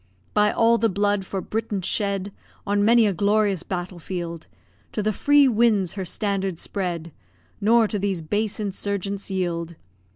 By all the blood for Britain shed On many a glorious battle field, To the free winds her standard spread, Nor to these base insurgents yield.